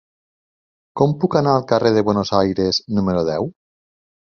Com puc anar al carrer de Buenos Aires número deu?